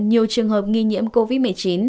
nhiều trường hợp nghi nhiễm covid một mươi chín